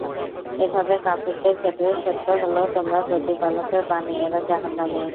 এভাবে কাফিরদের ক্ষেত্রে সত্য হলো তোমার প্রতিপালকের বাণী—এরা জাহান্নামী।